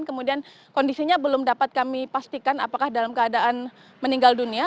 kemudian kondisinya belum dapat kami pastikan apakah dalam keadaan meninggal dunia